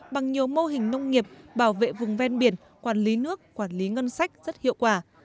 bằng nhiều mô hình nông nghiệp bảo vệ vùng ven biển quản lý nước quản lý ngân sách rất hiệu quả